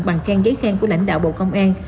bằng khen giấy khen của lãnh đạo bộ công an